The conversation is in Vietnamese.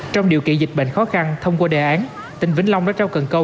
trong điều kiện dịch bệnh khó khăn thông qua đề án tỉnh vĩnh long đã trao cần câu